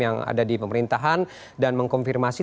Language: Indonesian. yang ada di pemerintahan dan mengkonfirmasi